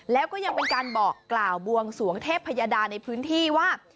แล้วก็ยังเป็นการบอกกล่าวบวงสวงเทพยดาในพื้นที่ว่า